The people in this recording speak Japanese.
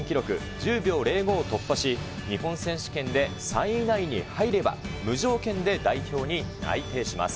１０秒０５を突破し、日本選手権で３位以内に入れば、無条件で代表に内定します。